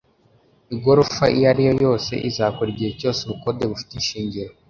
Igorofa iyo ari yo yose izakora igihe cyose ubukode bufite ishingiro